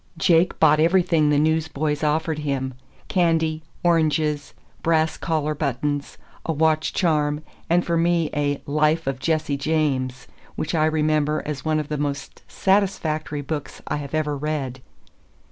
Jake bought everything the newsboys offered him: candy, oranges, brass collar buttons, a watch charm, and for me a "Life of Jesse James," which I remember as one of the most satisfactory books I have ever read.